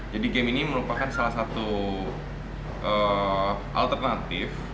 jadi game ini merupakan salah satu alternatif